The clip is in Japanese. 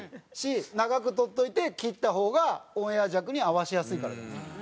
長く撮っといて切った方がオンエア尺に合わせやすいからじゃないですか？